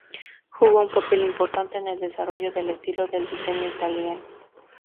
Jugó un papel importante en el desarrollo del estilo del diseño italiano.